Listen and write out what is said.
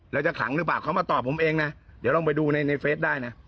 แล้วจะขลังหรือเปล่าเขามาตอบผมเองนะเดี๋ยวลองไปดูในเฟสได้นะ